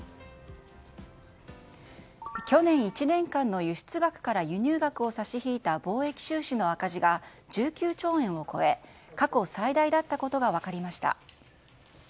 去年１年間の輸出額から輸入額を差し引いた貿易収支の赤字が１９兆円を超え過去最大だったことが分かりました。